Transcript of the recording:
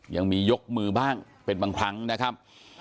ยกมือบ้างเป็นบางครั้งนะครับ